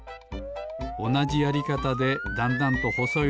おなじやりかたでだんだんとほそい